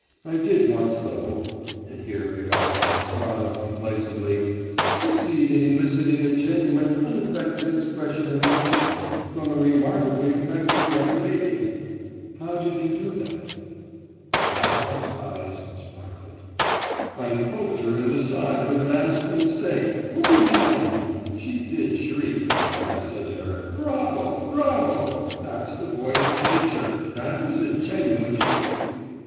I did once though (and here Pigasov smiled complacently) succeed in eliciting a genuine, unaffected expression of emotion from a remarkably affected young lady!' 'How did you do that?' Pigasov's eyes sparkled. 'I poked her in the side with an aspen stake, from behind. She did shriek, and I said to her, "Bravo, bravo! that's the voice of nature, that was a genuine shriek!